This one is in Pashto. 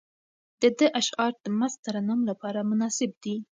د ده اشعار د مست ترنم لپاره مناسب دي.